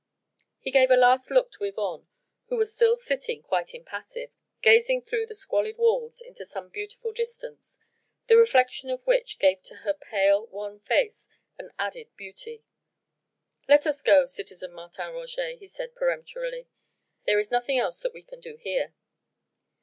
He gave a last look to Yvonne, who was still sitting quite impassive, gazing through the squalid walls into some beautiful distance, the reflection of which gave to her pale, wan face an added beauty. "Let us go, citizen Martin Roget," he said peremptorily. "There is nothing else that we can do here."